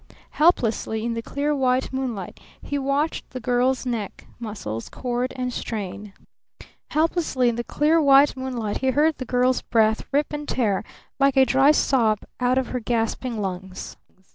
Helplessly in the clear white moonlight he watched the girl's neck muscles cord and strain. Helplessly in the clear white moonlight he heard the girl's breath rip and tear like a dry sob out of her gasping lungs.